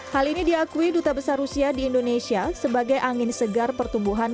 hal ini diakui duta besar rusia di indonesia sebagai angin segar pertumbuhan